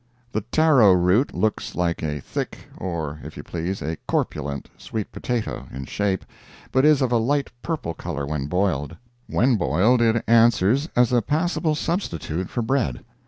The taro root looks like a thick, or, if you please, a corpulent sweet potato, in shape, but is of a light purple color when boiled. When boiled it answers as a passable substitute for bread.